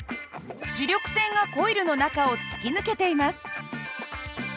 磁力線がコイルの中を突き抜けています。